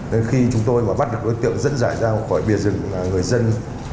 nên khi chúng tôi bắt được đối tượng dẫn dải ra khỏi bìa rừng là người dân